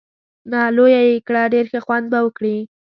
نه، لویه یې کړه، ډېر ښه خوند به وکړي.